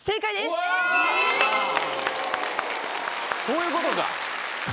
そういうことか。